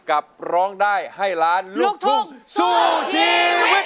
ร้องได้ให้ล้านลูกทุ่งสู้ชีวิต